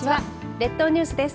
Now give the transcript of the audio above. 列島ニュースです。